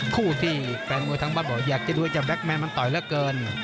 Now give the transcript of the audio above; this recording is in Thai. คู่ที่แฟนม่วยทั้งบ้านอยากดูแบตแมนมันต่อยแล้วเกิน